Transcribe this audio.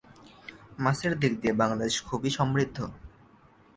মাছের দিক দিয়ে বাংলাদেশ খুব সমৃদ্ধ।